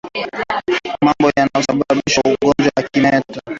Mambo yanayosababisha ugonjwa wa kimeta